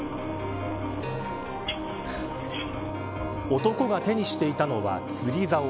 男が手にしていたのは釣りざお。